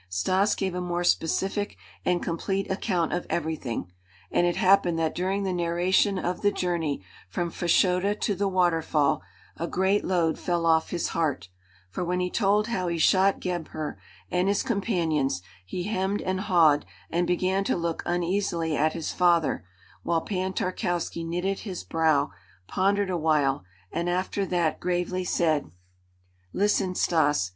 Stas gave a more specific and complete account of everything. And it happened that during the narration of the journey from Fashoda to the waterfall, a great load fell off his heart, for when he told how he shot Gebhr and his companions, he hemmed and hawed and began to look uneasily at his father, while Pan Tarkowski knitted his brow, pondered a while, and after that gravely said: "Listen, Stas!